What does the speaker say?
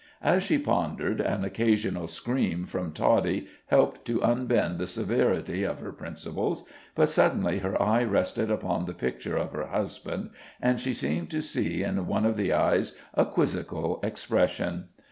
As she pondered, an occasional scream from Toddie helped to unbend the severity of her principles, but suddenly her eye rested upon a picture of her husband, and she seemed to see in one of the eyes a quizzical expression.